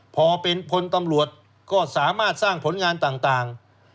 พอเป็นพลตำรวจก็สามารถสร้างผลงานต่าง